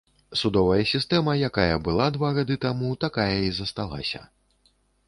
Судовая сістэма якая была два гады таму, такая і засталася.